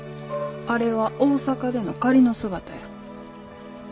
あれは大阪での仮の姿や。